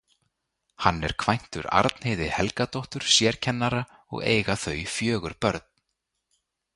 Hann er kvæntur Arnheiði Helgadóttur sérkennara og eiga þau fjögur börn.